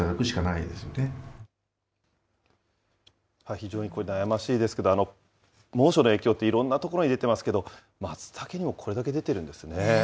非常にこれ、悩ましいですけど、猛暑の影響っていろんなところに出ていますけれども、まつたけにもこれだけ出てるんですね。